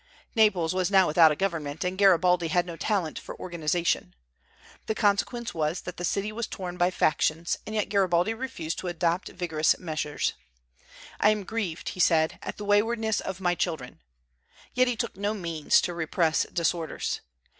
Naples was now without a government, and Garibaldi had no talent for organization. The consequence was that the city was torn by factions, and yet Garibaldi refused to adopt vigorous measures. "I am grieved," he said, "at the waywardness of my children," yet he took no means to repress disorders.